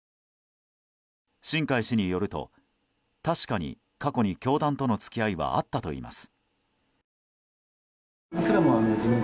新開氏によると、確かに過去に教団との付き合いはあったといいます。